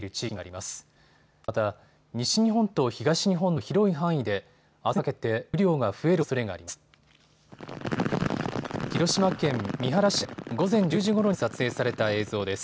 また、西日本と東日本の広い範囲であすにかけて雨量が増えるおそれがあります。